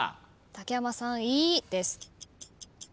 竹山さん「い」です。